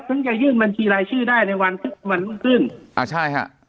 ถึงจะยื่นบัญชีรายชื่อได้ในวันรุ่งขึ้นอ่าใช่ฮะ